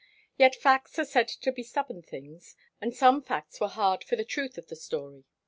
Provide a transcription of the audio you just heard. Yet facts are said to be stubborn things, and some facts were hard for the truth of the story.